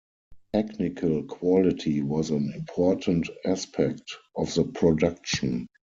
Technical quality was an important aspect of the production.